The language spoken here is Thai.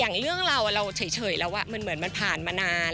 อย่างเรื่องเราเราเฉยแล้วมันเหมือนมันผ่านมานาน